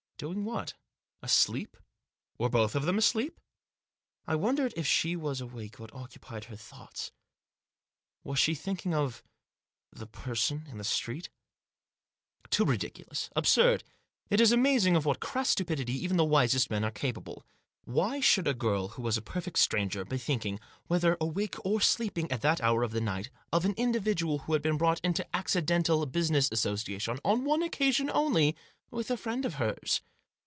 Doing what ? Asleep ? Were both of them asleep ? I wondered, if she was awake, what occupied her thoughts ? Was she thinking of — the person in the street ? Too ridiculous I Absurd ! It is amazing of what crass stupidity even the wisest men are capable. Why should a girl who was a perfect stranger, be thinking, whether awake or sleeping, at that hour of the night, of an individual who had been brought into accidental business association, on one occasion only, with a friend of hers?